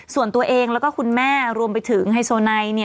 ส่วนตัวเองแล้วก็คุณแม่รวมไปถึงไฮโซไนเนี่ย